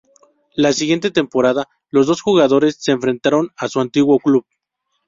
La siguiente temporada, los dos jugadores se enfrentaron a su antiguo club.